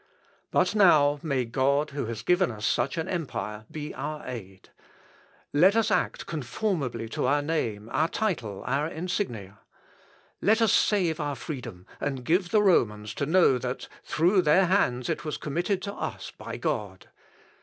"But now, may God who has given us such an empire, be our aid! Let us act conformably to our name, our title, our insignia; let us save our freedom, and give the Romans to know that, through their hands it was committed to us by God.